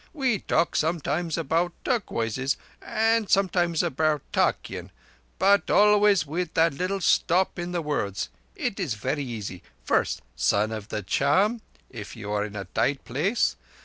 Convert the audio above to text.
We talk sometimes about turquoises and sometimes about tarkeean, but always with that little stop in the words. It is verree easy. First, 'Son of the Charm', if you are in a tight place.